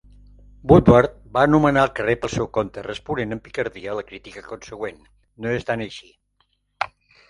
Woodward va anomenar el carrer pel seu compte, responent amb picardia a la crítica consegüent: no és tan així.